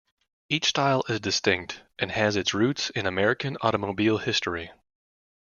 Each style is distinct, and has its roots in American automobile history.